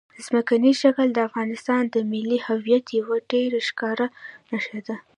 ځمکنی شکل د افغانستان د ملي هویت یوه ډېره ښکاره نښه ده.